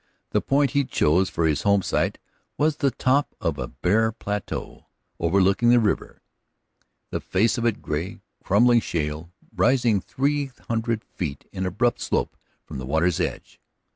The point he chose for his home site was the top of a bare plateau overlooking the river, the face of it gray, crumbling shale, rising three hundred feet in abrupt slope from the water's edge.